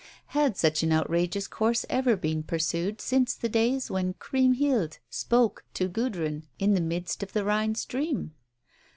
Had such an outrageous course ever been pursued since the days when Chriemhild "spoke" to Gudrun in the midst of the Rhine stream